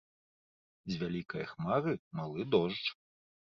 З вялікае хмары малы дождж